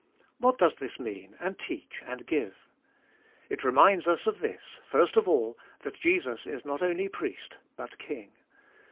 What does this mean, and teach, and give ? It reminds of this, first of all, that Jesus is not only Priest but King.